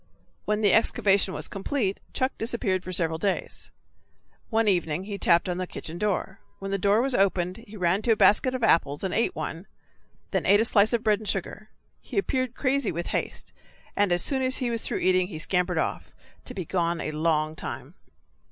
When the excavation was complete Chuck disappeared for several days. One evening he tapped on the kitchen door. When the door was opened he ran to a basket of apples and ate one, then ate a slice of bread and sugar. He appeared crazy with haste, and as soon as he was through eating he scampered off, to be gone a long time.